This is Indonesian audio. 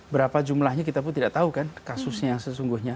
berapa jumlahnya kita pun tidak tahu kan kasusnya yang sesungguhnya